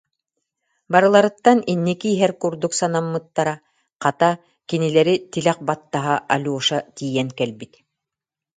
Барыларыттан инники иһэр курдук санаммыттара, хата, кинилэри тилэх баттаһа Алеша тиийэн кэлбит